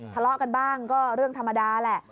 ทะเลาะกันบ้างก็เรื่องธรรมดาแหละ